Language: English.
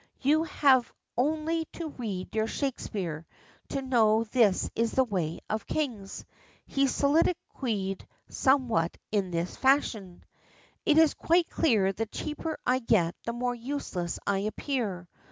You have only to read your Shakespeare to know this is the way of kings. He soliloquised somewhat in this fashion: "It's quite clear the cheaper I get the more useless I appear.